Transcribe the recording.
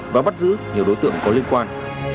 và bắt giữ nhiều đối tượng có liên quan